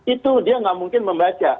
itu dia nggak mungkin membaca